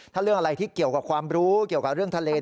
ถ้าเรื่องอะไรที่เกี่ยวกับความรู้เกี่ยวกับเรื่องทะเล